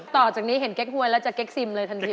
ต่อจากนี้เห็นเก๊กหวยแล้วจะเก๊กซิมเลยทันที